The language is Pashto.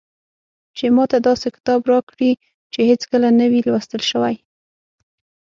چې ماته داسې کتاب راکړي چې هېڅکله نه وي لوستل شوی.